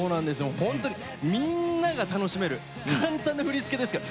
本当にみんなが楽しめる簡単な振り付けですから。